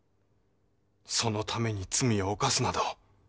そのために罪を犯すなど。